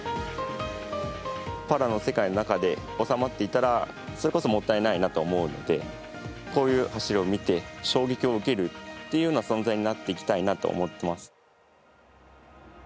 パラの世界の中で収まっていたらそれこそもったいないなと思うのでこういう走りを見て衝撃を受けるというような存在になっていきたいなと思っています。